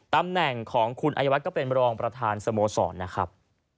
ตำแหน่งของคุณอายวัฒน์ก็เป็นรองประธานสโมสรนะครับ